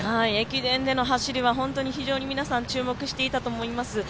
駅伝での走りは非常に皆さん注目していたと思います。